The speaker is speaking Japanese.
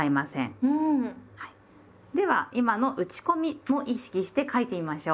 では今の打ち込みを意識して書いてみましょう。